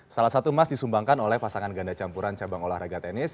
salah satu emas disumbangkan oleh pasangan ganda campuran cabang olahraga tenis